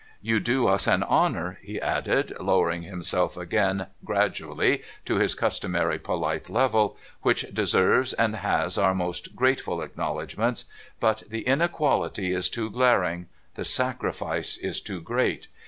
You do us an honour,' he added, lowering himself again gradually to his customary polite level, ' which deserves, and has, our most grateful acknowledgments. But the inequality is too glaring ; the sacrifice is too great.